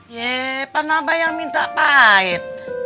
ya pak naba yang minta pahit